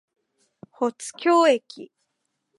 保津峡駅